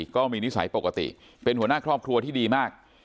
นิสัยปกติเป็นหัวหน้าครอบครัวที่ดีมาก